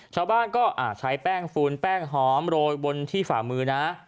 ชาวบ้านก็ใช้แป้งฟูนแป้งหอมโรยบนที่ฝ่ามือนะ